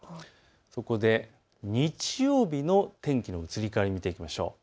そこで日曜日の天気の移り変わり、見ていきましょう。